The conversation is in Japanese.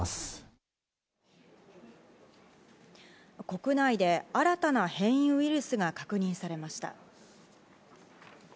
国内で新たな変異ウイルスが確認されました。